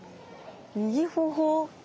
右頬。